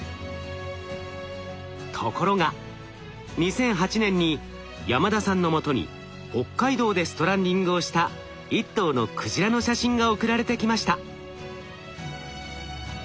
ところが２００８年に山田さんのもとに北海道でストランディングをした一頭のクジラの写真が送られてきました。